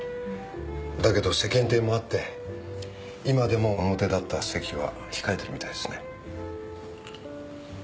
だけど世間体もあって今でも表立った席は控えてるみたいですね。